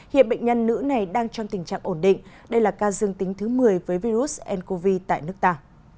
hiện bệnh nhân nữ này đang trong tình trạng ổn định đây là ca dương tính thứ một mươi với virus ncov tại nước ta